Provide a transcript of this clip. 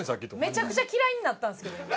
めちゃくちゃ嫌いになったんですけど今。